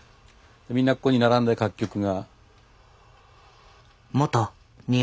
みんなここに並んで各局が。